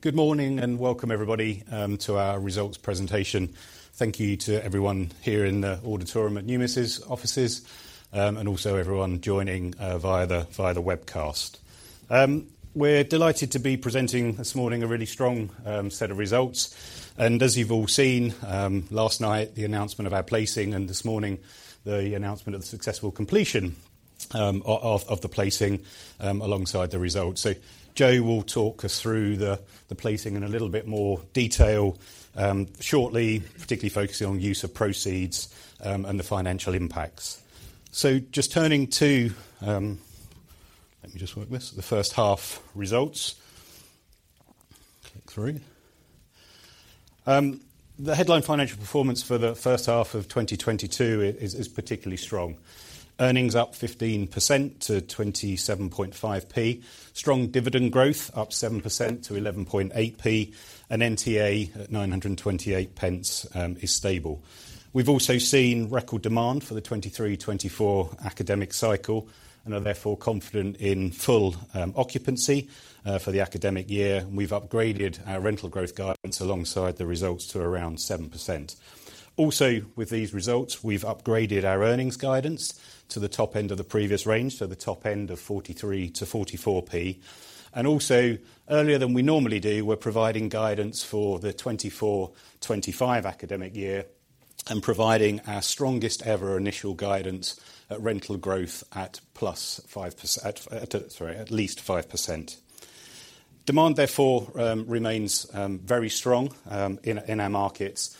Good morning, and welcome everybody to our results presentation. Thank you to everyone here in the auditorium at Numis' offices and also everyone joining via the webcast. We're delighted to be presenting this morning a really strong set of results and, as you've all seen, last night the announcement of our placing and this morning the announcement of the successful completion of the placing alongside the results. Joe will talk us through the placing in a little bit more detail shortly, particularly focusing on use of proceeds and the financial impacts. Just turning to the first-half results. The headline financial performance for the first half of 2022 is particularly strong. Earnings up 15% to 0.275, strong dividend growth up 7% to 0.118, NTA at 9.28 is stable. We've also seen record demand for the 2023/2024 academic cycle and are therefore confident in full occupancy for the academic year. We've upgraded our rental growth guidance alongside the results to around 7%. With these results, we've upgraded our earnings guidance to the top end of the previous range, so the top end of 0.43-0.44. Earlier than we normally do, we're providing guidance for the 2024/2025 academic year and providing our strongest ever initial guidance at rental growth at least 5%. Demand, therefore, remains very strong in our markets.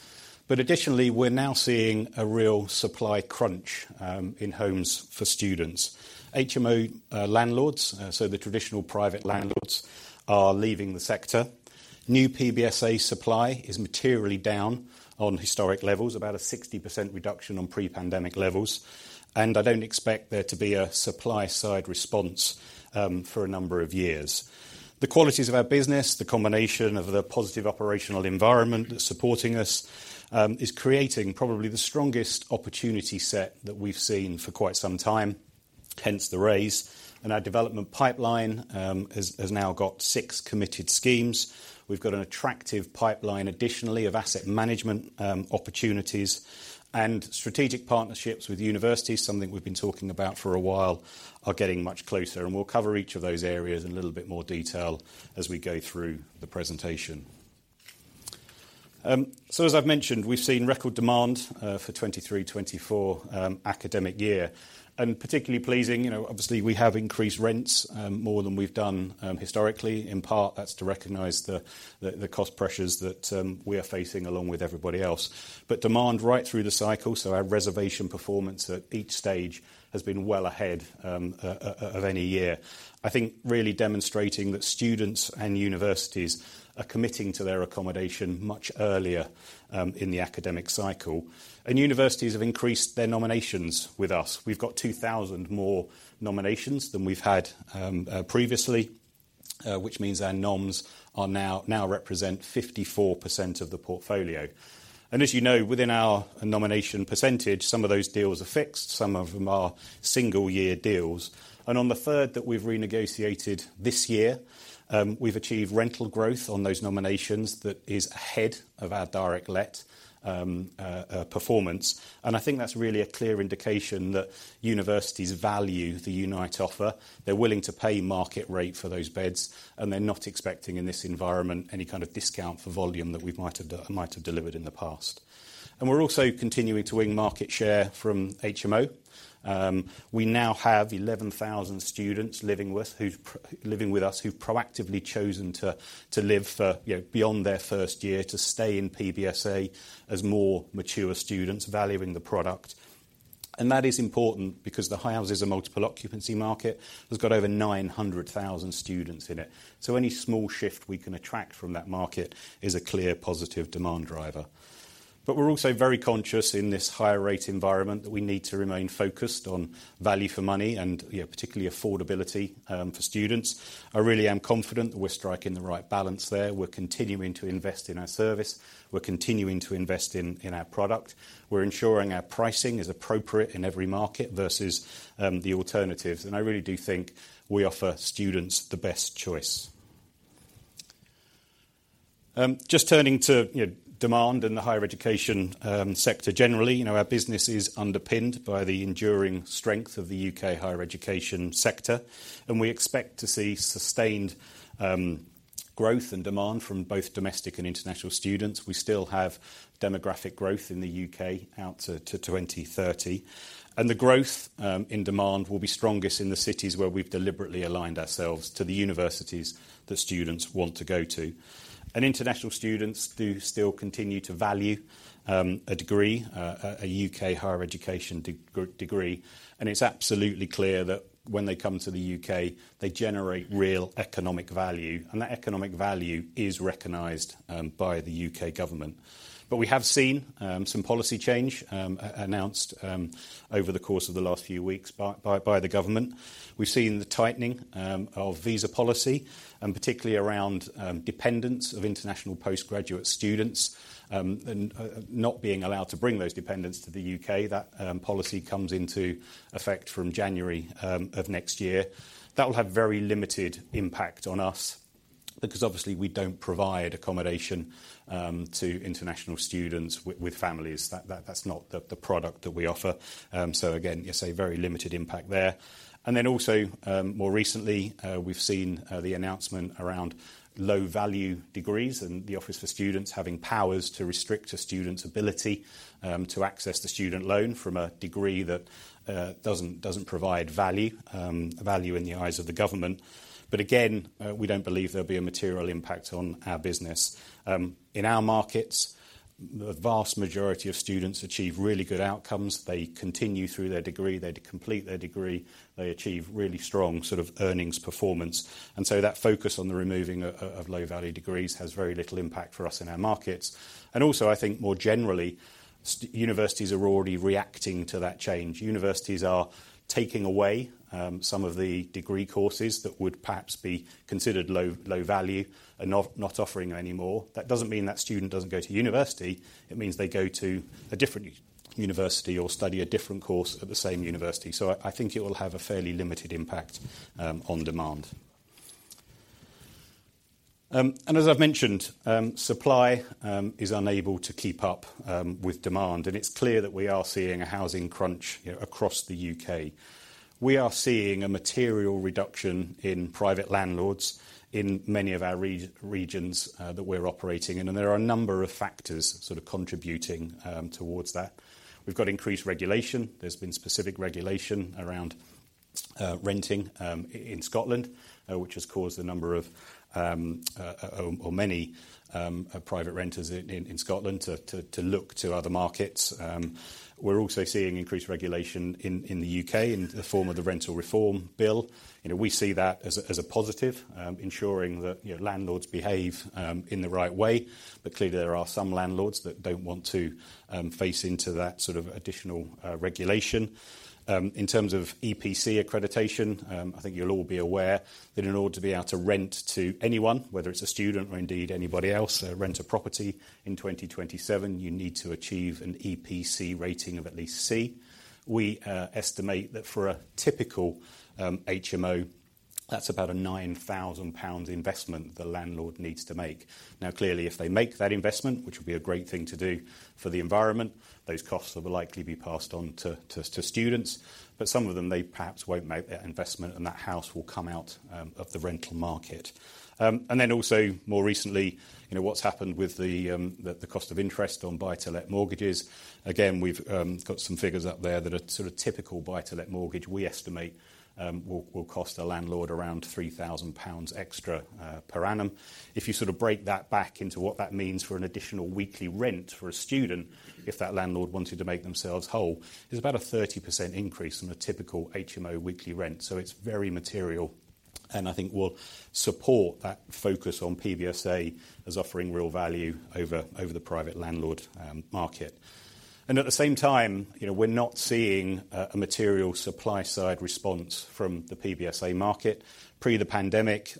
Additionally, we're now seeing a real supply crunch in homes for students. HMO landlords, so the traditional private landlords, are leaving the sector. New PBSA supply is materially down on historic levels, about a 60% reduction on pre-pandemic levels, and I don't expect there to be a supply-side response for a number of years. The qualities of our business, the combination of the positive operational environment that's supporting us, is creating probably the strongest opportunity set that we've seen for quite some time, hence the raise. Our development pipeline has now got 6 committed schemes. We've got an attractive pipeline, additionally, of asset management opportunities and strategic partnerships with universities, something we've been talking about for a while, are getting much closer. We'll cover each of those areas in a little bit more detail as we go through the presentation. As I've mentioned, we've seen record demand for 2023/2024 academic year, and particularly pleasing, you know, obviously, we have increased rents more than we've done historically. In part, that's to recognize the cost pressures that we are facing along with everybody else. Demand right through the cycle, so our reservation performance at each stage has been well ahead of any year. I think really demonstrating that students and universities are committing to their accommodation much earlier in the academic cycle. Universities have increased their nominations with us. We've got 2,000 more nominations than we've had previously, which means our noms now represent 54% of the portfolio. As you know, within our nomination percentage, some of those deals are fixed, some of them are single-year deals. On the one-third that we've renegotiated this year, we've achieved rental growth on those nominations that is ahead of our direct-let performance. I think that's really a clear indication that universities value the Unite offer. They're willing to pay market rate for those beds, and they're not expecting, in this environment, any kind of discount for volume that we might have delivered in the past. We're also continuing to win market share from HMO. We now have 11,000 students living with us who’ve proactively chosen to live, beyond their first year, to stay in PBSA as more mature students, valuing the product. That is important because the houses in multiple occupation market has got over 900,000 students in it. Any small shift we can attract from that market is a clear positive demand driver. We’re also very conscious, in this higher-rate environment, that we need to remain focused on value for money and, particularly, affordability for students. I really am confident that we’re striking the right balance there. We’re continuing to invest in our service. We’re continuing to invest in our product. We’re ensuring our pricing is appropriate in every market versus the alternatives, and I really do think we offer students the best choice. Just turning to demand in the higher education sector generally, our business is underpinned by the enduring strength of the UK higher education sector, and we expect to see sustained growth in demand from both domestic and international students. We still have demographic growth in the UK out to 2030, and the growth in demand will be strongest in the cities where we’ve deliberately aligned ourselves with the universities that students want to go to. International students do still continue to value a U.K. higher education degree, and it's absolutely clear that when they come to the U.K., they generate real economic value, and that economic value is recognized by the U.K. government. We have seen some policy change announced over the course of the last few weeks by the government. We've seen the tightening of visa policy, particularly around dependents of international postgraduate students not being allowed to bring those dependents to the U.K. That policy comes into effect from January of next year. That will have very limited impact on us because, obviously, we don't provide accommodation to international students with families. That's not the product that we offer. Again, it's a very limited impact there. Also, more recently, we've seen the announcement around low-value degrees and the Office for Students having powers to restrict a student's ability to access the student loan from a degree that doesn't provide value in the eyes of the government. Again, we don't believe there'll be a material impact on our business. In our markets, the vast majority of students achieve really good outcomes. They continue through their degree, they complete their degree, they achieve really strong sort of earnings performance. That focus on the removing of low-value degrees has very little impact for us in our markets. Also, I think more generally, universities are already reacting to that change. Universities are taking away some of the degree courses that would perhaps be considered low value and not offering them anymore. That doesn't mean that student doesn't go to university, it means they go to a different university or study a different course at the same university. I think it will have a fairly limited impact on demand. As I've mentioned, supply is unable to keep up with demand, and it's clear that we are seeing a housing crunch across the U.K. We are seeing a material reduction in private landlords in many of our regions that we're operating in, and there are a number of factors sort of contributing towards that. We've got increased regulation. There's been specific regulation around renting in Scotland, which has caused a number of private renters in Scotland to look to other markets. We're also seeing increased regulation in the U.K. in the form of the Rental Reform Bill. We see that as a positive, ensuring that landlords behave in the right way. Clearly, there are some landlords that don't want to face that sort of additional regulation. In terms of EPC accreditation, I think you'll all be aware that in order to be able to rent to anyone, whether it's a student or indeed anybody else, and rent a property in 2027, you need to achieve an EPC rating of at least C. We estimate that for a typical HMO, that's about a 9,000 pound investment the landlord needs to make. Clearly, if they make that investment, which would be a great thing to do for the environment, those costs will likely be passed on to students, but some of them, they perhaps won't make that investment, and that house will come out of the rental market. Then also, more recently, you know, what's happened with the cost of interest on buy-to-let mortgages. We've got some figures up there that a sort of typical buy-to-let mortgage, we estimate will cost a landlord around 3,000 pounds extra per annum. If you break that back into what that means for an additional weekly rent for a student, if that landlord wanted to make themselves whole, it's about a 30% increase from a typical HMO weekly rent. It's very material and I think will support that focus on PBSA as offering real value over the private landlord market. At the same time, you know, we're not seeing a material supply-side response from the PBSA market. Pre the pandemic,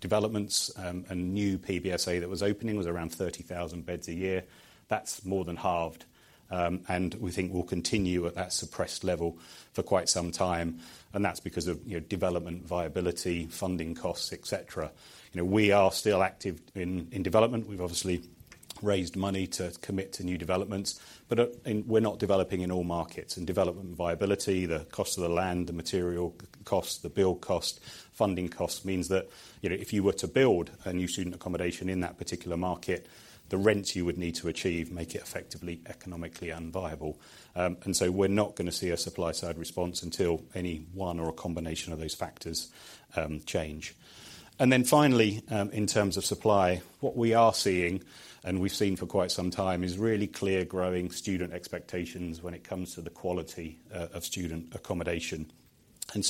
developments and new PBSA that was opening was around 30,000 beds a year. That's more than halved, and we think will continue at that suppressed level for quite some time, and that's because of, you know, development, viability, funding costs, et cetera. You know, we are still active in development. We've obviously raised money to commit to new developments, but we're not developing in all markets. Development viability, the cost of the land, the material costs, the build cost, funding costs, means that, you know, if you were to build a new student accommodation in that particular market, the rents you would need to achieve make it effectively, economically unviable. So we're not gonna see a supply-side response until any one or a combination of those factors change. Then finally, in terms of supply, what we are seeing, and we've seen for quite some time, is really clear growing student expectations when it comes to the quality of student accommodation.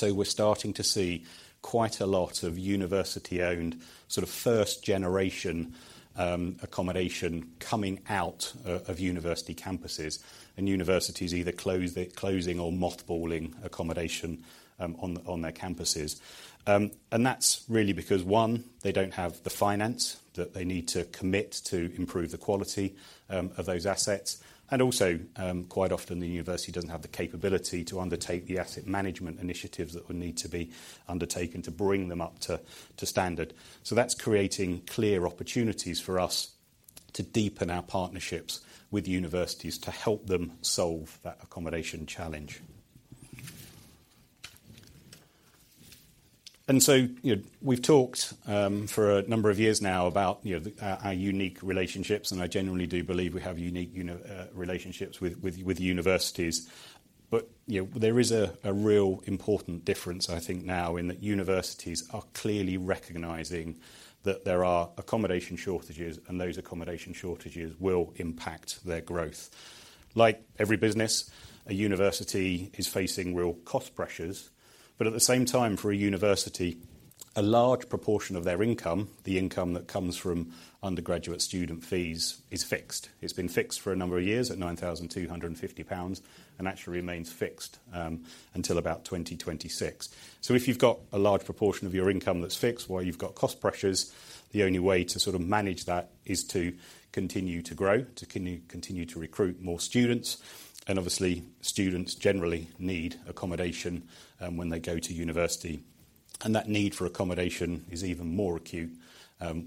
We're starting to see quite a lot of university-owned, sort of first generation, accommodation coming out of university campuses and universities either closing or mothballing accommodation on their campuses. That's really because, one, they don't have the finance that they need to commit to improve the quality of those assets, and also, quite often the university doesn't have the capability to undertake the asset management initiatives that would need to be undertaken to bring them up to standard. That's creating clear opportunities for us to deepen our partnerships with universities to help them solve that accommodation challenge. You know, we've talked for a number of years now about, you know, our unique relationships, and I generally do believe we have unique, you know, relationships with universities. You know, there is a real important difference, I think now, in that universities are clearly recognizing that there are accommodation shortages, and those accommodation shortages will impact their growth. Like every business, a university is facing real cost pressures. At the same time, for a university, a large proportion of their income, the income that comes from undergraduate student fees, is fixed. It's been fixed for a number of years at 9,250 pounds and actually remains fixed until about 2026. If you've got a large proportion of your income that's fixed, while you've got cost pressures, the only way to sort of manage that is to continue to grow, to continue to recruit more students. Obviously, students generally need accommodation when they go to university. That need for accommodation is even more acute,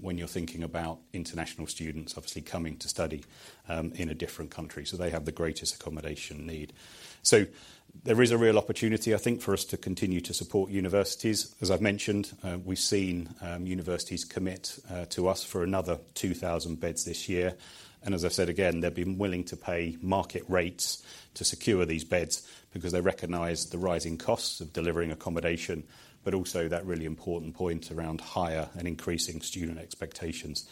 when you're thinking about international students obviously coming to study, in a different country, so they have the greatest accommodation need. There is a real opportunity, I think, for us to continue to support universities. As I've mentioned, we've seen universities commit to us for another 2,000 beds this year. As I've said again, they've been willing to pay market rates to secure these beds because they recognize the rising costs of delivering accommodation, but also that really important point around higher and increasing student expectations.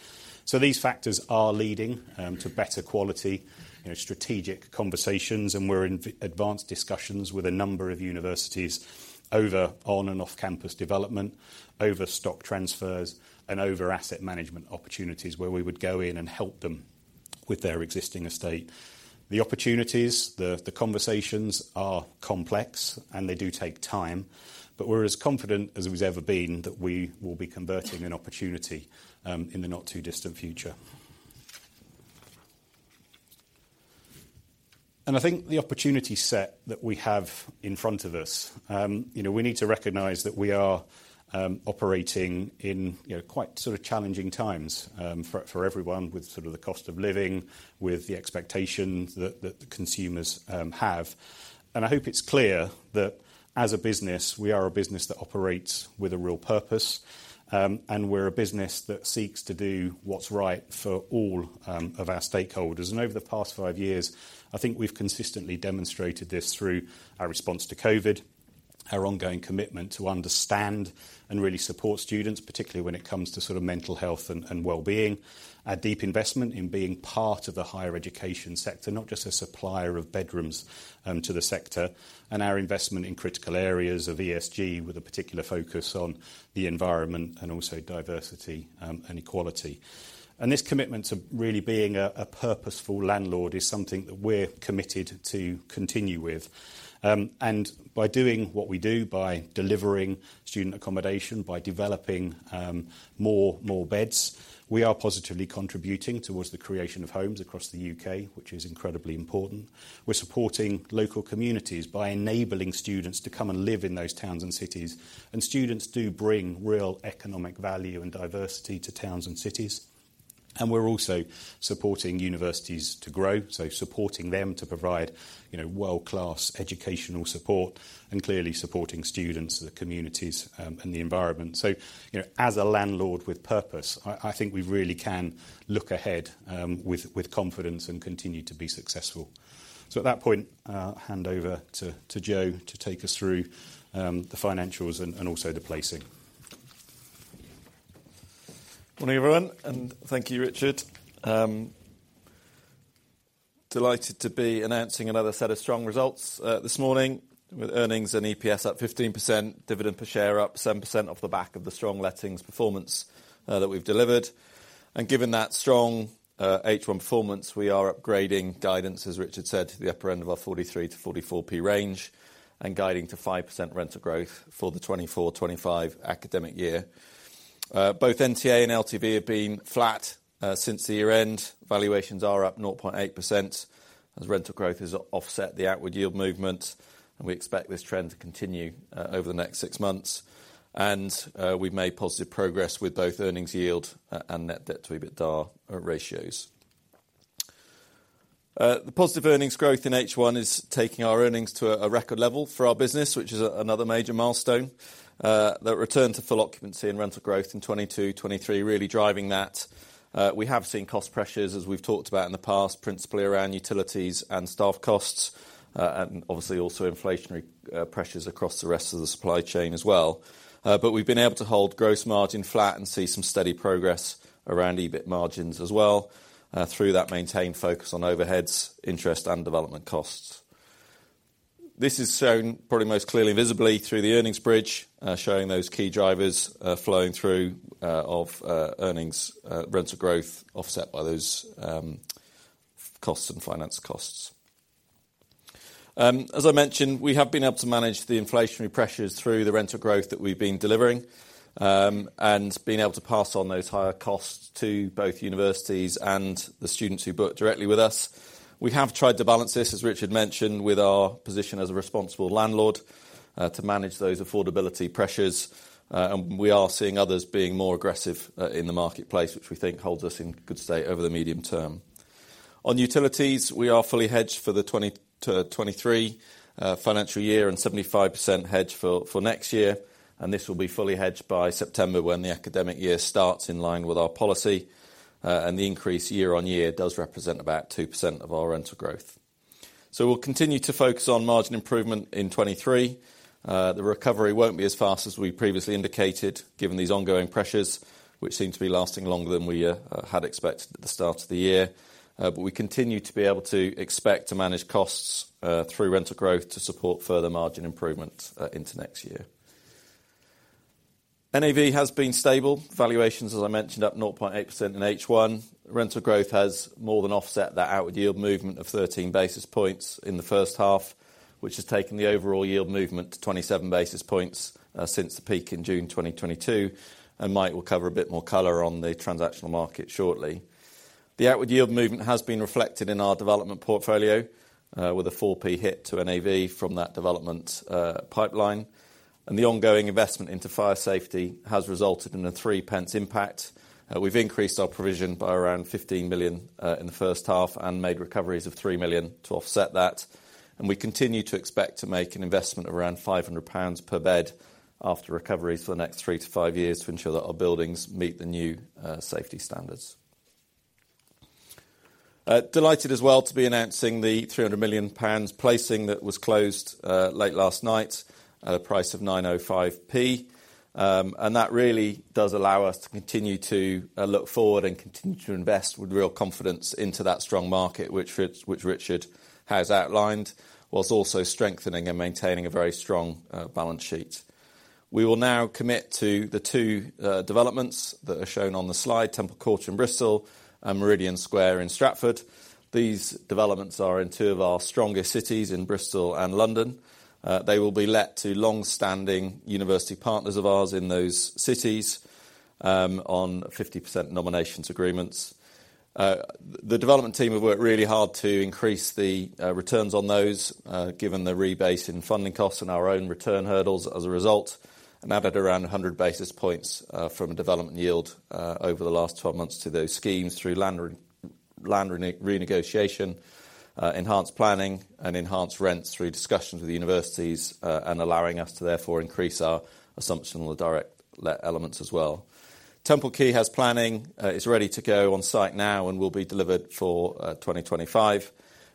These factors are leading to better quality, you know, strategic conversations, and we're in advanced discussions with a number of universities over on and off-campus development, over stock transfers, and over asset management opportunities where we would go in and help them with their existing estate. The opportunities, the conversations are complex, and they do take time, but we're as confident as we've ever been that we will be converting an opportunity in the not-too-distant future. I think the opportunity set that we have in front of us, you know, we need to recognize that we are operating in, you know, quite sort of challenging times for everyone with sort of the cost of living, with the expectations that the consumers have. I hope it's clear that, as a business, we operate with a real purpose, and we're a business that seeks to do what's right for all of our stakeholders. Over the past five years, I think we've consistently demonstrated this through our response to COVID, our ongoing commitment to understand and really support students, particularly when it comes to mental health and well-being, our deep investment in being part of the higher education sector, not just a supplier of bedrooms to the sector, and our investment in critical areas of ESG, with a particular focus on the environment and also diversity and equality. This commitment to really being a purposeful landlord is something that we're committed to continue with. By doing what we do, by delivering student accommodation, by developing more beds, we are positively contributing towards the creation of homes across the UK, which is incredibly important. We're supporting local communities by enabling students to come and live in those towns and cities, and students do bring real economic value and diversity to towns and cities. We're also supporting universities to grow, so supporting them to provide, you know, world-class educational support, and clearly supporting students, the communities, and the environment. You know, as a landlord with purpose, I think we really can look ahead with confidence and continue to be successful. At that point, I'll hand over to Joe to take us through the financials and also the placing. Morning, everyone, and thank you, Richard. Delighted to be announcing another set of strong results this morning, with earnings and EPS up 15%, dividend per share up 7% off the back of the strong lettings performance that we've delivered. Given that strong H1 performance, we are upgrading guidance, as Richard said, to the upper end of our 43-44 P range and guiding to 5% rental growth for the 2024, 2025 academic year. Both NTA and LTV have been flat since the year end. Valuations are up 0.8%, as rental growth has offset the outward yield movement, and we expect this trend to continue over the next 6 months. We've made positive progress with both earnings yield and net debt to EBITDA ratios. The positive earnings growth in H1 is taking our earnings to a record level for our business, which is another major milestone, that returned to full occupancy and rental growth in 2022, 2023, really driving that. We have seen cost pressures, as we've talked about in the past, principally around utilities and staff costs, and obviously also inflationary pressures across the rest of the supply chain as well. We've been able to hold gross margin flat and see some steady progress around EBIT margins as well, through that maintained focus on overheads, interest, and development costs. This is shown probably most clearly visibly through the earnings bridge, showing those key drivers flowing through of earnings, rental growth, offset by those costs and finance costs. As I mentioned, we have been able to manage the inflationary pressures through the rental growth that we've been delivering and been able to pass on those higher costs to both universities and the students who book directly with us. We have tried to balance this, as Richard mentioned, with our position as a responsible landlord, to manage those affordability pressures. We are seeing others being more aggressive in the marketplace, which we think holds us in good stead over the medium term. On utilities, we are fully hedged for the 2023 financial year and 75% hedged for next year. This will be fully hedged by September, when the academic year starts, in line with our policy, and the increase year-on-year does represent about 2% of our rental growth. We'll continue to focus on margin improvement in 2023. The recovery won't be as fast as we previously indicated, given these ongoing pressures, which seem to be lasting longer than we had expected at the start of the year. We continue to expect to manage costs through rental growth to support further margin improvement into next year. NAV has been stable. Valuations, as I mentioned, were up 0.8% in H1. Rental growth has more than offset that outward yield movement of 13 basis points in the first half, which has taken the overall yield movement to 27 basis points since the peak in June 2022. Mike will cover a bit more color on the transactional market shortly. The outward yield movement has been reflected in our development portfolio, with a 4p hit to NAV from that development pipeline. The ongoing investment into fire safety has resulted in a 3 pence impact. We've increased our provision by around 15 million in the first half and made recoveries of 3 million to offset that. That really does allow us to continue to look forward and continue to invest with real confidence into that strong market, which Richard has outlined, whilst also strengthening and maintaining a very strong balance sheet. We will now commit to the two developments that are shown on the slide, Temple Quay in Bristol and Meridian Square in Stratford. These developments are in two of our strongest cities, in Bristol and London. They will be let to long-standing university partners of ours in those cities on 50% nominations agreements. The development team have worked really hard to increase the returns on those, given the rebase in funding costs and our own return hurdles as a result, and added around 100 basis points to the development yield over the last 12 months on those schemes through land renegotiation, enhanced planning, and enhanced rents through discussions with the universities, allowing us to therefore increase our assumption on the direct-let elements as well. Temple Quay has planning. It's ready to go on site now and will be delivered for 2025.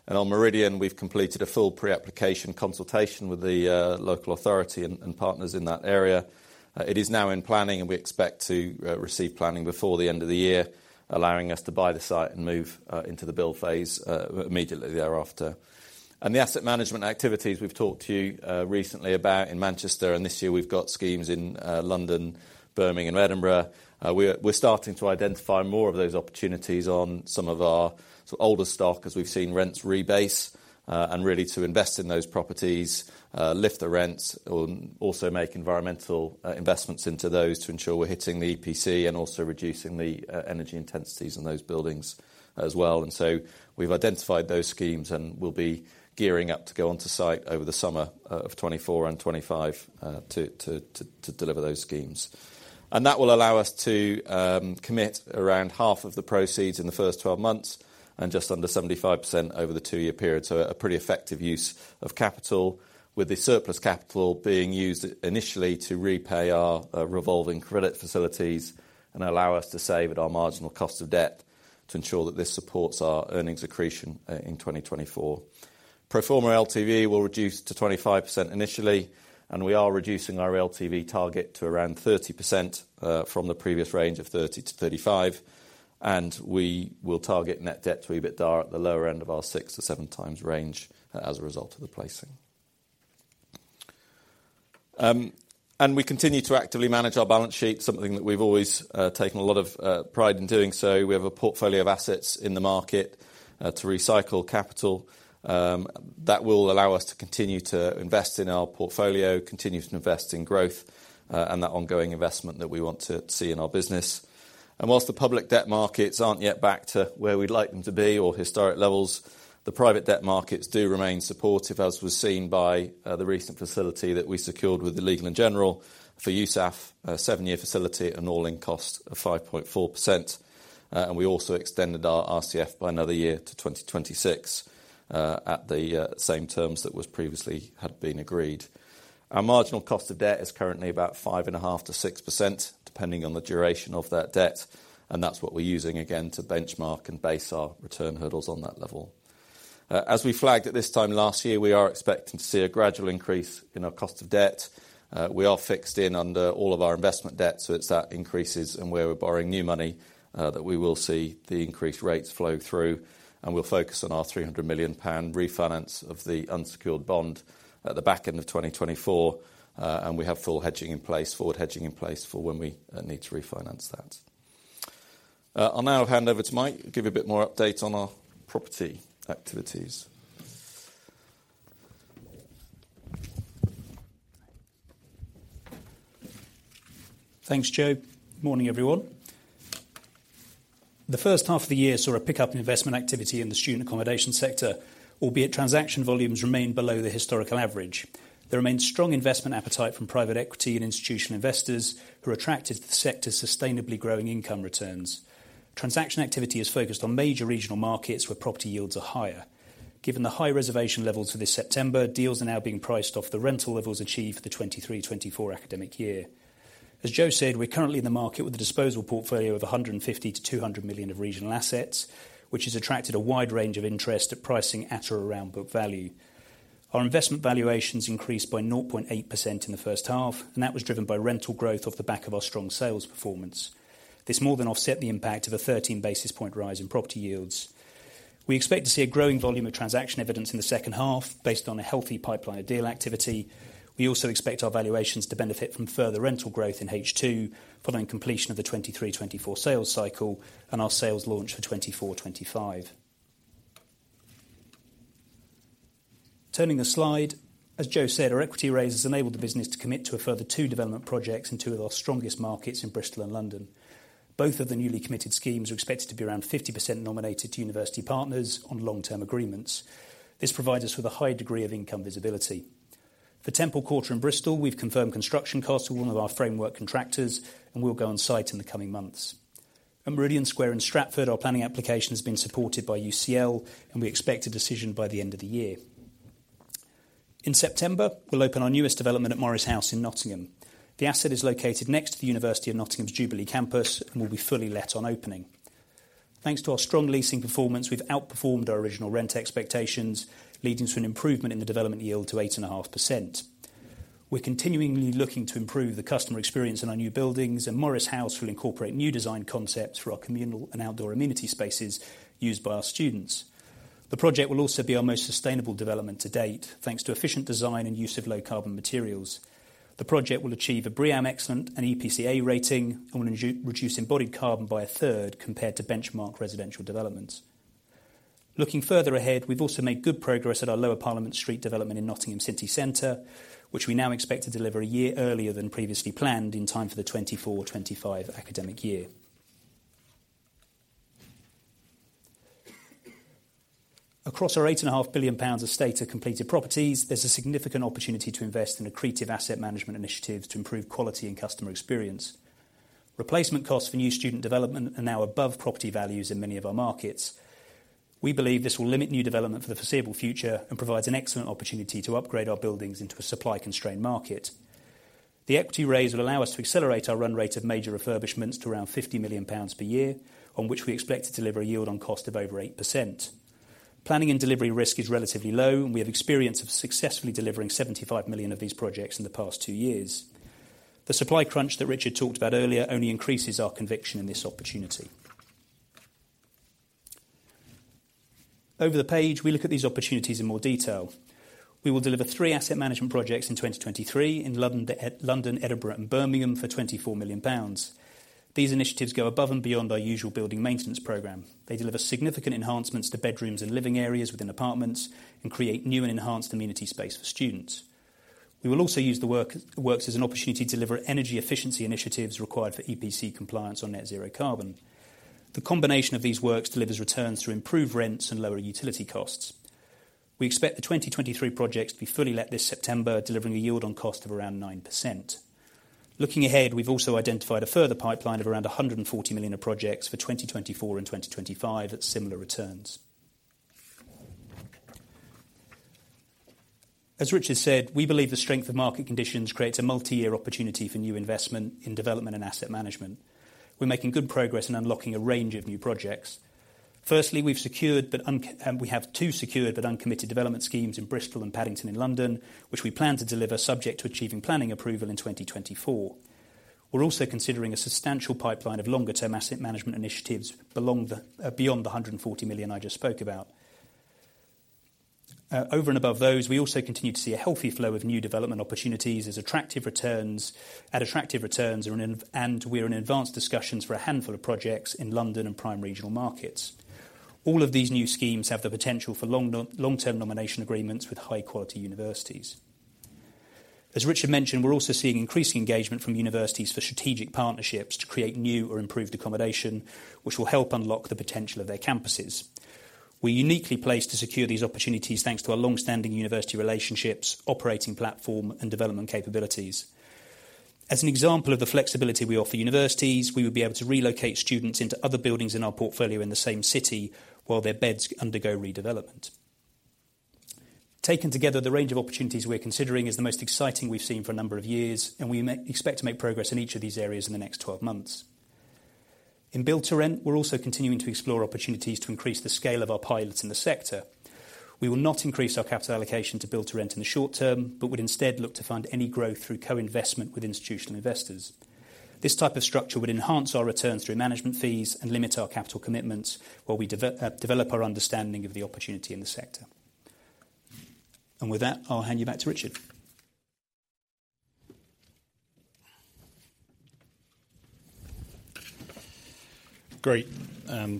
On Meridian, we've completed a full pre-application consultation with the local authority and partners in that area. It is now in planning, and we expect to receive planning before the end of the year, allowing us to buy the site and move into the build phase immediately thereafter. The asset management activities we've talked to you recently about in Manchester, and this year we've got schemes in London, Birmingham, and Edinburgh. We're starting to identify more of those opportunities on some of our sort of older stock, as we've seen rents rebase, and really to invest in those properties, lift the rents, and also make environmental investments into those to ensure we're hitting the EPC and also reducing the energy intensities in those buildings as well. We've identified those schemes, and we'll be gearing up to go onto site over the summer of 2024 and 2025 to deliver those schemes. That will allow us to commit around half of the proceeds in the first 12 months and just under 75% over the two-year period, so a pretty effective use of capital, with the surplus capital being used initially to repay our revolving credit facilities and allow us to save at our marginal cost of debt to ensure that this supports our earnings accretion in 2024. Pro forma LTV will reduce to 25% initially. We are reducing our LTV target to around 30% from the previous range of 30%-35%. We will target net debt to be at the lower end of our 6-7 times range as a result of the placing. We continue to actively manage our balance sheet, something that we've always taken a lot of pride in doing so. We have a portfolio of assets in the market to recycle capital. That will allow us to continue to invest in our portfolio, continue to invest in growth, and that ongoing investment that we want to see in our business. Whilst the public debt markets aren't yet back to where we'd like them to be, or historic levels, the private debt markets do remain supportive, as was seen by the recent facility that we secured with Legal & General for USAF, a seven-year facility at an all-in cost of 5.4%. We also extended our RCF by another year to 2026, at the same terms that had previously been agreed. Our marginal cost of debt is currently about 5.5%-6%, depending on the duration of that debt, and that's what we're using again to benchmark and base our return hurdles on that level. As we flagged at this time last year, we are expecting to see a gradual increase in our cost of debt. We are fixed in under all of our investment debt, so it's that increases and where we're borrowing new money, that we will see the increased rates flow through, and we'll focus on our 300 million pound refinance of the unsecured bond at the back end of 2024, and we have full hedging in place, forward hedging in place for when we need to refinance that. I'll now hand over to Mike to give you a bit more update on our property activities. Thanks, Joe. Morning, everyone. The first half of the year saw a pickup in investment activity in the student accommodation sector, albeit transaction volumes remained below the historical average. There remains strong investment appetite from private equity and institutional investors, who are attracted to the sector's sustainably growing income returns. Transaction activity is focused on major regional markets where property yields are higher. Given the high reservation levels for this September, deals are now being priced off the rental levels achieved for the 2023-2024 academic year. As Joe said, we're currently in the market with a disposable portfolio of 150 million-200 million of regional assets, which has attracted a wide range of interest at pricing at or around book value. Our investment valuations increased by 0.8% in the first half. That was driven by rental growth off the back of our strong sales performance. This more than offset the impact of a 13 basis point rise in property yields. We expect to see a growing volume of transaction evidence in the second half based on a healthy pipeline of deal activity. We also expect our valuations to benefit from further rental growth in H2, following completion of the 2023-2024 sales cycle and our sales launch for 2024-2025. Turning the slide, as Joe said, our equity raise has enabled the business to commit to a further two development projects in two of our strongest markets in Bristol and London. Both of the newly committed schemes are expected to be around 50% nominated to university partners on long-term agreements. This provides us with a high degree of income visibility. For Temple Quarter in Bristol, we've confirmed construction costs with one of our framework contractors. We'll go on site in the coming months. At Meridian Square in Stratford, our planning application has been supported by UCL. We expect a decision by the end of the year. In September, we'll open our newest development at Morris House in Nottingham. The asset is located next to the University of Nottingham's Jubilee Campus and will be fully let on opening. Thanks to our strong leasing performance, we've outperformed our original rent expectations, leading to an improvement in the development yield to 8.5%. We're continually looking to improve the customer experience in our new buildings. Morris House will incorporate new design concepts for our communal and outdoor amenity spaces used by our students. The project will also be our most sustainable development to date, thanks to efficient design and use of low-carbon materials. The project will achieve a BREEAM Excellent and EPC-A rating and will reduce embodied carbon by a third compared to benchmark residential developments. Looking further ahead, we've also made good progress at our Lower Parliament Street development in Nottingham city centre, which we now expect to deliver a year earlier than previously planned, in time for the 2024-2025 academic year. Across our 8.5 billion pounds of stabilised and completed properties, there's a significant opportunity to invest in accretive asset management initiatives to improve quality and customer experience. Replacement costs for new student development are now above property values in many of our markets. We believe this will limit new development for the foreseeable future and provides an excellent opportunity to upgrade our buildings into a supply-constrained market. The equity raise will allow us to accelerate our run rate of major refurbishments to around 50 million pounds per year, on which we expect to deliver a yield on cost of over 8%. Planning and delivery risk is relatively low, and we have experience of successfully delivering 75 million of these projects in the past two years. The supply crunch that Richard talked about earlier only increases our conviction in this opportunity. Over the page, we look at these opportunities in more detail. We will deliver three asset management projects in 2023 in London, Edinburgh, and Birmingham for 24 million pounds. These initiatives go above and beyond our usual building maintenance program. They deliver significant enhancements to bedrooms and living areas within apartments and create new and enhanced amenity space for students. We will also use the works as an opportunity to deliver energy efficiency initiatives required for EPC compliance on net zero carbon. The combination of these works delivers returns through improved rents and lower utility costs. We expect the 2023 projects to be fully let this September, delivering a yield on cost of around 9%. Looking ahead, we've also identified a further pipeline of around 140 million of projects for 2024 and 2025 at similar returns. As Richard said, we believe the strength of market conditions creates a multi-year opportunity for new investment in development and asset management. We're making good progress in unlocking a range of new projects. Firstly, we have two secured but uncommitted development schemes in Bristol and Paddington in London, which we plan to deliver, subject to achieving planning approval in 2024. We're also considering a substantial pipeline of longer-term asset management initiatives beyond the 140 million I just spoke about. Over and above those, we also continue to see a healthy flow of new development opportunities at attractive returns, and we are in advanced discussions for a handful of projects in London and prime regional markets. All of these new schemes have the potential for long-term nomination agreements with high-quality universities. As Richard mentioned, we're also seeing increased engagement from universities for strategic partnerships to create new or improved accommodation, which will help unlock the potential of their campuses. We're uniquely placed to secure these opportunities, thanks to our long-standing university relationships, operating platform, and development capabilities. As an example of the flexibility we offer universities, we would be able to relocate students into other buildings in our portfolio in the same city while their beds undergo redevelopment. Taken together, the range of opportunities we're considering is the most exciting we've seen for a number of years, and we expect to make progress in each of these areas in the next 12 months. In build-to-rent, we're also continuing to explore opportunities to increase the scale of our pilots in the sector. We will not increase our capital allocation to build-to-rent in the short term, but would instead look to find any growth through co-investment with institutional investors. This type of structure would enhance our returns through management fees and limit our capital commitments while we develop our understanding of the opportunity in the sector. With that, I'll hand you back to Richard. Great.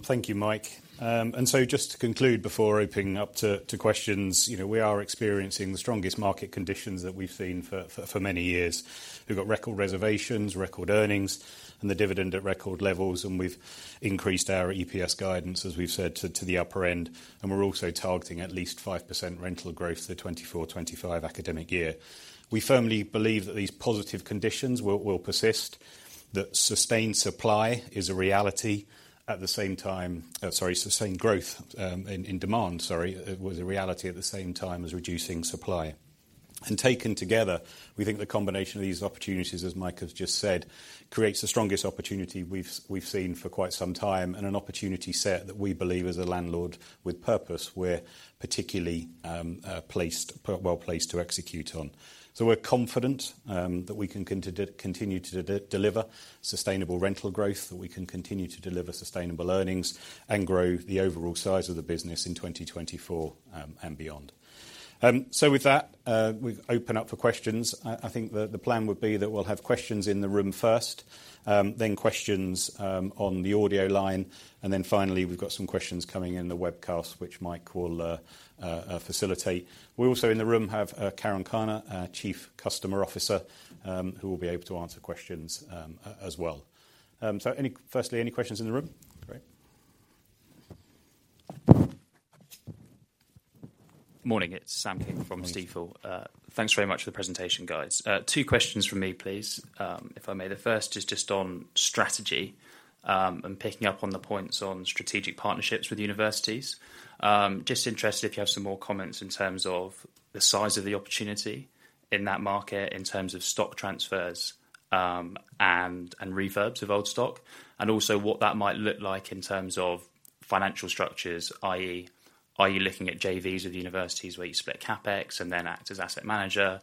Thank you, Mike. Just to conclude, before opening up to questions, you know, we are experiencing the strongest market conditions that we've seen for many years. We've got record reservations, record earnings, and the dividend at record levels. We've increased our EPS guidance, as we've said, to the upper end. We're also targeting at least 5% rental growth for the 2024/2025 academic year. We firmly believe that these positive conditions will persist, that sustained supply is a reality, at the same time... sorry, sustained growth, in demand, sorry, was a reality at the same time as reducing supply. Taken together, we think the combination of these opportunities, as Mike has just said, creates the strongest opportunity we've seen for quite some time, and an opportunity set that we believe, as a landlord with purpose, we're particularly well placed to execute on. We're confident that we can continue to deliver sustainable rental growth, that we can continue to deliver sustainable earnings, and grow the overall size of the business in 2024 and beyond. With that, we open up for questions. I think the plan would be that we'll have questions in the room first, then questions on the audio line, and then finally, we've got some questions coming in on the webcast, which Mike will facilitate. We also in the room have Karan Khanna, our Chief Customer Officer, who will be able to answer questions as well. Firstly, any questions in the room? Great. Morning, it's Sam King from Stifel. Thanks very much for the presentation, guys. Two questions from me, please, if I may. The first is just on strategy, and picking up on the points on strategic partnerships with universities. Just interested if you have some more comments in terms of the size of the opportunity in that market, in terms of stock transfers, and reverbs of old stock, and also what that might look like in terms of financial structures. i.e., are you looking at JVs with universities where you split CapEx and then act as asset manager?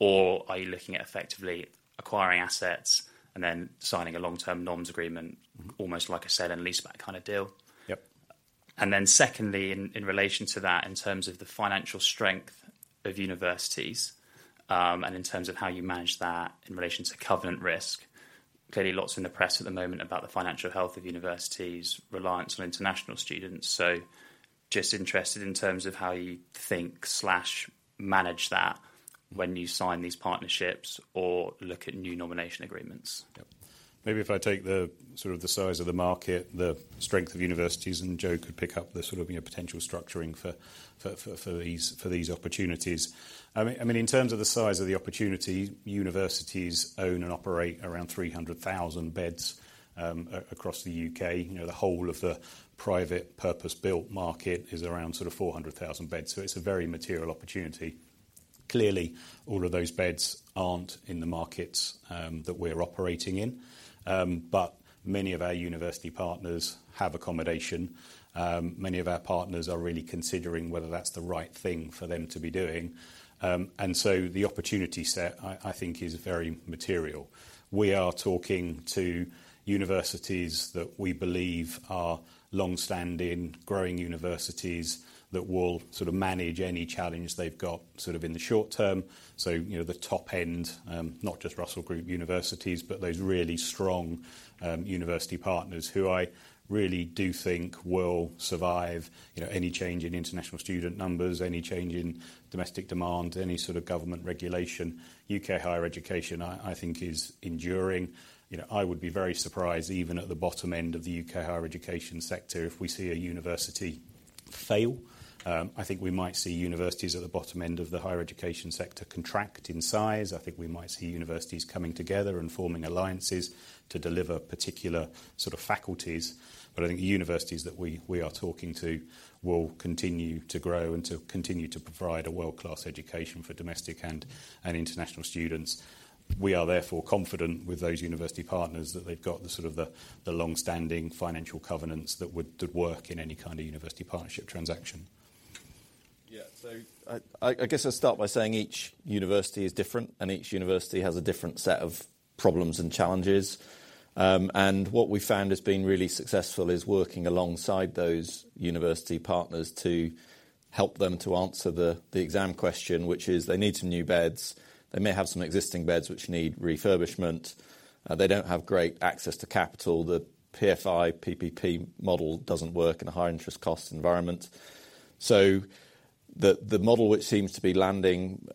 Are you looking at effectively acquiring assets and then signing a long-term nominations agreement, almost like I said, a leaseback kind of deal? Yep. secondly, in relation to that, in terms of the financial strength of universities, and in terms of how you manage that in relation to covenant risk. Clearly, lots in the press at the moment about the financial health of universities' reliance on international students. Just interested in terms of how you think/manage that when you sign these partnerships or look at new nomination agreements. Yep. Maybe if I take the, sort of, the size of the market, the strength of universities, Joe could pick up the sort of, you know, potential structuring for these opportunities. I mean, in terms of the size of the opportunity, universities own and operate around 300,000 beds across the UK. You know, the whole of the private purpose-built market is around sort of 400,000 beds, it's a very material opportunity. Clearly, all of those beds aren't in the markets that we're operating in. Many of our university partners have accommodation. Many of our partners are really considering whether that's the right thing for them to be doing. The opportunity set, I think, is very material. We are talking to universities that we believe are longstanding, growing universities that will manage any challenge they've got in the short term. The top end, not just Russell Group universities, but those really strong university partners who I really do think will survive any change in international student numbers, any change in domestic demand, any sort of government regulation. I think the universities that we are talking to will continue to grow and to continue to provide a world-class education for domestic and international students. We are therefore confident with those university partners that they've got the sort of the longstanding financial covenants that work in any kind of university partnership transaction. Yeah. I guess I'll start by saying each university is different, and each university has a different set of problems and challenges. What we found has been really successful is working alongside those university partners to help them to answer the exam question, which is: they need some new beds, they may have some existing beds which need refurbishment, they don't have great access to capital. The PFI, PPP model doesn't work in a high interest cost environment. The model which seems to be landing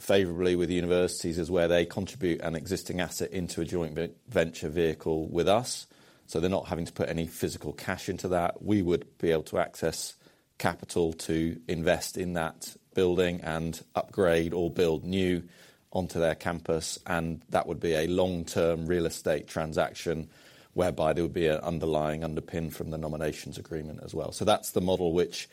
favorably with the universities, is where they contribute an existing asset into a joint venture vehicle with us, so they're not having to put any physical cash into that. We would be able to access capital to invest in that building and upgrade or build new onto their campus. That would be a long-term real estate transaction, whereby there would be an underlying underpin from the nominations agreement as well. That's the model which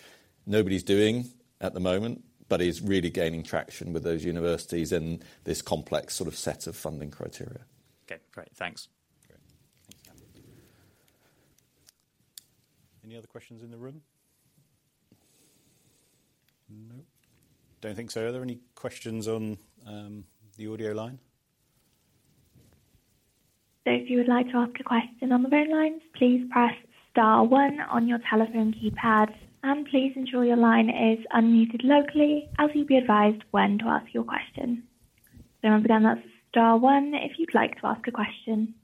nobody's doing at the moment, but is really gaining traction with those universities and this complex sort of set of funding criteria. Okay, great. Thanks. Great. Any other questions in the room? Don't think so. Are there any questions on the audio line? If you would like to ask a question on the phone lines, please press star one on your telephone keypad, and please ensure your line is unmuted locally, as you'll be advised when to ask your question. Once again, that's star one if you'd like to ask a question.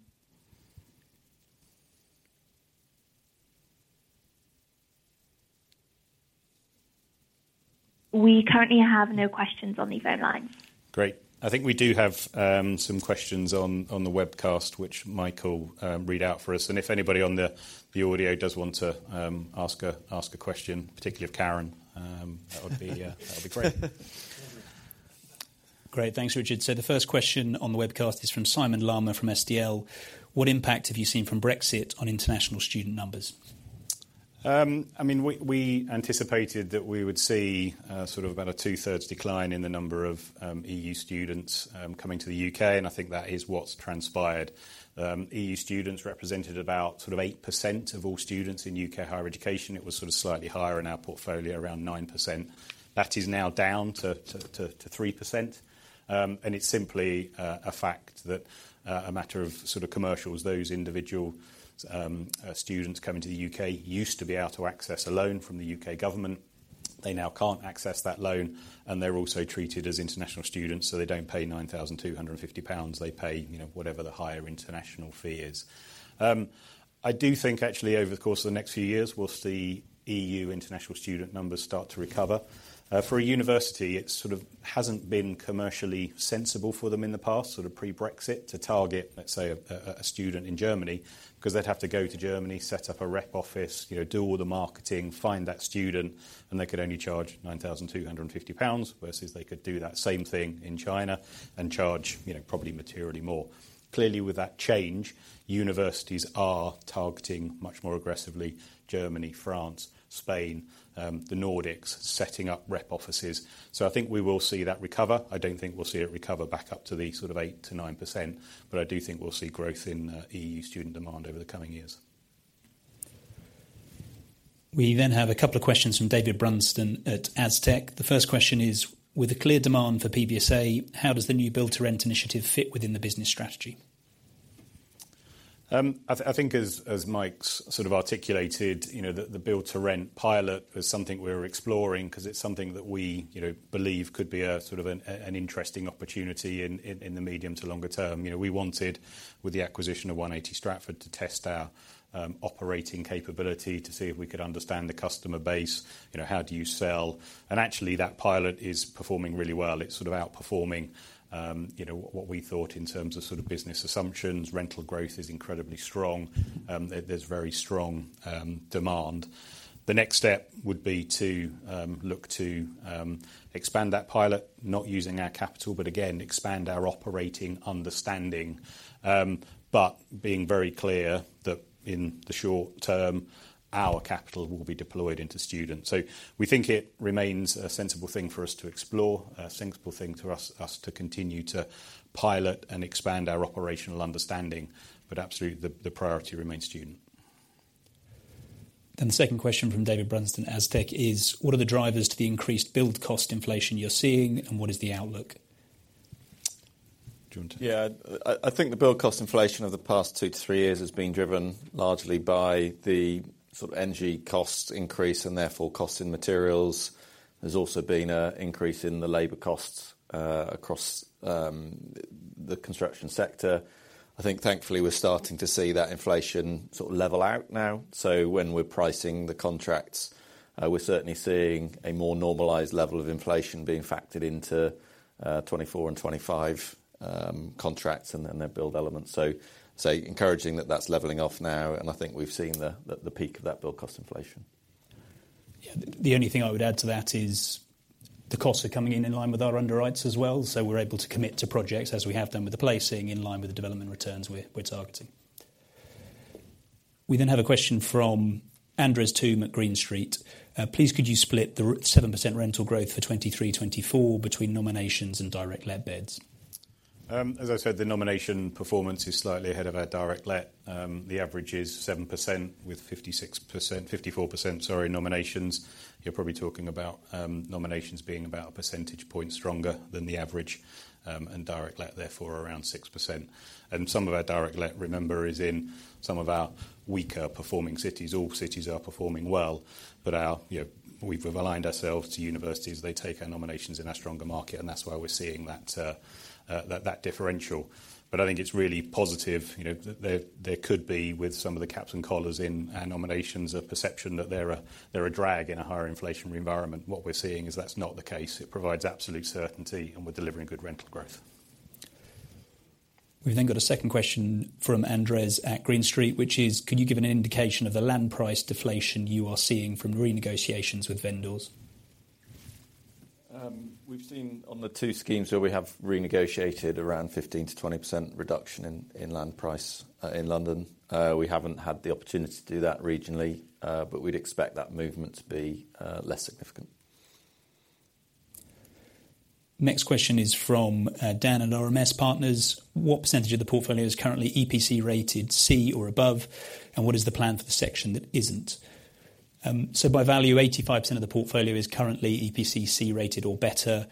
We currently have no questions on the phone lines. Great. I think we do have some questions on the webcast, which Michael read out for us. If anybody on the audio does want to ask a question, particularly of Karan, that would be great. Great. Thanks, Richard. The first question on the webcast is from Simon Lama, from SDL: What impact have you seen from Brexit on international student numbers? I mean, we anticipated that we would see sort of about a two-thirds decline in the number of EU students coming to the U.K., and I think that is what's transpired. EU students represented about sort of 8% of all students in U.K. higher education. It was sort of slightly higher in our portfolio, around 9%. That is now down to 3%. It's simply a fact that a matter of sort of commercials, those individual students coming to the U.K. used to be able to access a loan from the U.K. government. They now can't access that loan, and they're also treated as international students, so they don't pay 9,250 pounds, they pay, you know, whatever the higher international fee is. I do think actually, over the course of the next few years, we'll see EU international student numbers start to recover. For a university, it sort of hasn't been commercially sensible for them in the past, sort of pre-Brexit, to target, let's say, a student in Germany, 'cause they'd have to go to Germany, set up a rep office, you know, do all the marketing, find that student, and they could only charge 9,250 pounds, versus they could do that same thing in China and charge, you know, probably materially more. Clearly, with that change, universities are targeting, much more aggressively, Germany, France, Spain, the Nordics, setting up rep offices. I think we will see that recover. I don't think we'll see it recover back up to the sort of 8%-9%, but I do think we'll see growth in EU student demand over the coming years. We have a couple of questions from David Brunston at Aztec. The first question is: With a clear demand for PBSA, how does the new build-to-rent initiative fit within the business strategy? I think as Mike's sort of articulated, you know, the build-to-rent pilot is something we're exploring, 'cause it's something that we, you know, believe could be an interesting opportunity in the medium to longer term. You know, we wanted, with the acquisition of 180 Stratford, to test our operating capability, to see if we could understand the customer base. You know, how do you sell? Actually, that pilot is performing really well. It's sort of outperforming, you know, what we thought in terms of sort of business assumptions. Rental growth is incredibly strong. There's very strong demand. The next step would be to look to expand that pilot, not using our capital, but again, expand our operating understanding. Being very clear that in the short term, our capital will be deployed into students. We think it remains a sensible thing for us to explore, a sensible thing for us to continue to pilot and expand our operational understanding. Absolutely, the priority remains student. The second question from David Brunston, Aztec is: What are the drivers to the increased build cost inflation you're seeing, and what is the outlook? Do you want. I think the build cost inflation of the past two to three years has been driven largely by the sort of energy costs increase. Therefore, cost in materials. There's also been a increase in the labor costs across the construction sector. I think thankfully, we're starting to see that inflation sort of level out now. When we're pricing the contracts, we're certainly seeing a more normalized level of inflation being factored into 2024 and 2025 contracts and their build elements. Encouraging that that's leveling off now. I think we've seen the peak of that build cost inflation. Yeah. The only thing I would add to that is the costs are coming in in line with our underwrites as well. We're able to commit to projects as we have done with the placing, in line with the development returns we're targeting. We have a question from Andres Toome at Green Street: Please, could you split the 7% rental growth for 2023, 2024 between nominations and direct-let beds? As I said, the nomination performance is slightly ahead of our direct-let. The average is 7% with 54% nominations. You're probably talking about nominations being about a percentage point stronger than the average, and direct-let, therefore, around 6%. Some of our direct-let, remember, is in some of our weaker-performing cities. All cities are performing well. We've aligned ourselves to universities. They take our nominations in our stronger markets. That's why we're seeing that differential. I think it's really positive that there could be, with some of the caps and collars in our nominations, a perception that they're a drag in a higher inflationary environment. What we're seeing is that's not the case. It provides absolute certainty. We're delivering good rental growth. We've then got a second question from Andres at Green Street, which is: Could you give an indication of the land price deflation you are seeing from renegotiations with vendors? We've seen on the two schemes where we have renegotiated around 15%-20% reduction in land price in London. We haven't had the opportunity to do that regionally. We'd expect that movement to be less significant. Next question is from Dan at RMS Partners: What percentage of the portfolio is currently EPC-rated C or above, and what is the plan for the section that isn't? By value, 85% of the portfolio is currently EPC-rated or better.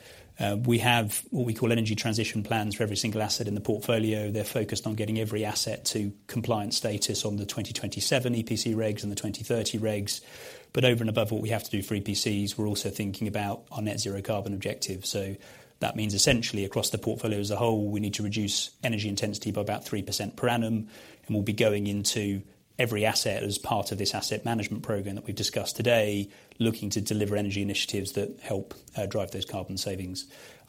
We have what we call energy transition plans for every single asset in the portfolio. They're focused on getting every asset to compliant status on the 2027 EPC regs and the 2030 regs. Over and above what we have to do for EPCs, we're also thinking about our net zero carbon objective. That means essentially, across the portfolio as a whole, we need to reduce energy intensity by about 3% per annum. We'll be going into every asset as part of this asset management program that we've discussed today, looking to deliver energy initiatives that help drive those carbon savings.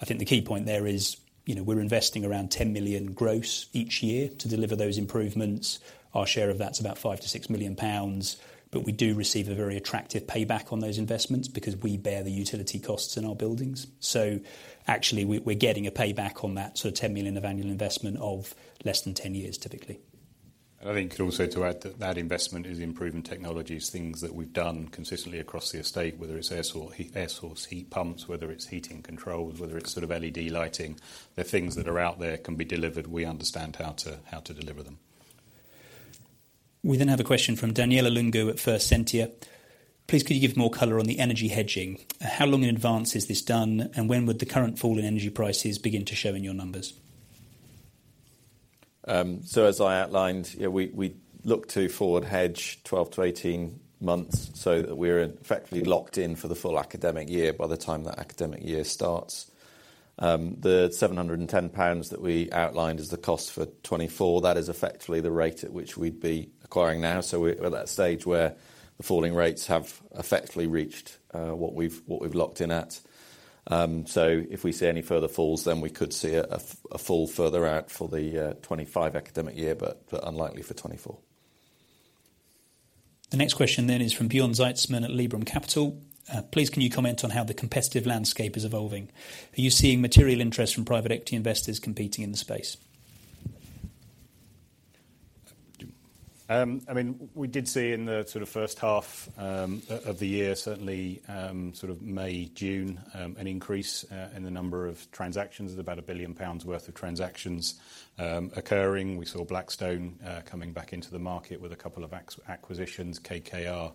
The key point there is, you know, we're investing around 10 million gross each year to deliver those improvements. Our share of that's about 5 million-6 million pounds. We do receive a very attractive payback on those investments, because we bear the utility costs in our buildings. Actually, we're getting a payback on that sort of 10 million of annual investment of less than 10 years, typically. I think also to add, that that investment is improving technologies, things that we've done consistently across the estate, whether it's air source heat pumps, whether it's heating controls, whether it's sort of LED lighting. The things that are out there can be delivered. We understand how to deliver them. We have a question from Daniela Lungu at First Sentier: Please, could you give more color on the energy hedging? How long in advance is this done, and when would the current fall in energy prices begin to show in your numbers? As I outlined, yeah, we look to forward hedge 12-18 months so that we're effectively locked in for the full academic year by the time that academic year starts. The 710 pounds that we outlined as the cost for 2024, that is effectively the rate at which we'd be acquiring now. We're at that stage where the falling rates have effectively reached what we've locked in at. If we see any further falls, we could see a fall further out for the 2025 academic year, but unlikely for 2024. The next question then is from Bjorn Zietsman at Liberum Capital. "Please, can you comment on how the competitive landscape is evolving? Are you seeing material interest from private equity investors competing in the space? I mean, we did see in the sort of first half of the year, certainly, sort of May, June, an increase in the number of transactions. It was about 1 billion pounds worth of transactions occurring. We saw Blackstone coming back into the market with a couple of acquisitions, KKR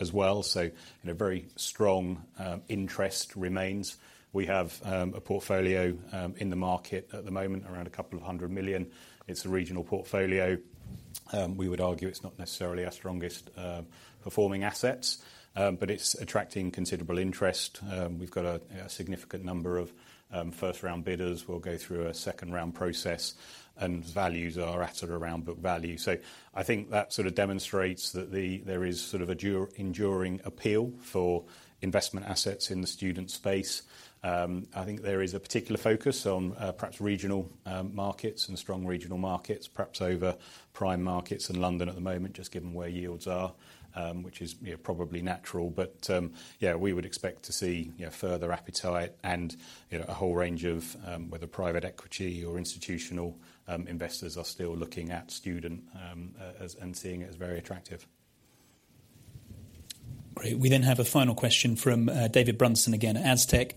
as well. You know, very strong interest remains. We have a portfolio in the market at the moment, around 200 million. It's a regional portfolio. We would argue it's not necessarily our strongest performing assets, but it's attracting considerable interest. We've got a significant number of first-round bidders. We'll go through a second-round process, and values are at sort of around book value. I think that sort of demonstrates that there is sort of a enduring appeal for investment assets in the student space. I think there is a particular focus on perhaps regional markets and strong regional markets, perhaps over prime markets in London at the moment, just given where yields are, you know, probably natural. We would expect to see, you know, further appetite and, you know, a whole range of whether private equity or institutional investors are still looking at student and seeing it as very attractive. Great. We have a final question from David Brunson again, Aztec.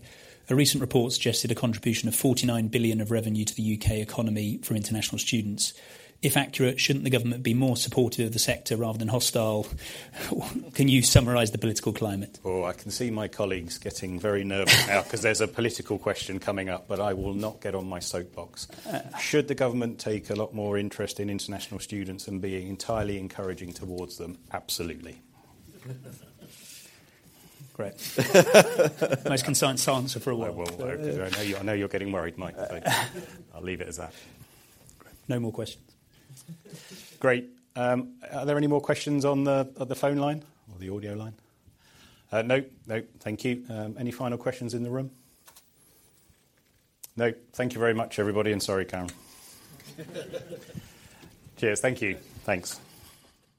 "A recent report suggested a contribution of 49 billion of revenue to the U.K. economy for international students. If accurate, shouldn't the government be more supportive of the sector rather than hostile? Can you summarize the political climate? Oh, I can see my colleagues getting very nervous now, because there's a political question coming up, but I will not get on my soapbox. Should the government take a lot more interest in international students and be entirely encouraging towards them? Absolutely. Great. Nice, concise answer for a while. Well, well, I know you're getting worried, Mike. I'll leave it as that. No more questions. Great, are there any more questions on the, on the phone line or the audio line? Nope. Thank you. Any final questions in the room? No. Thank you very much, everybody, and sorry, Karen. Cheers. Thank you. Thanks.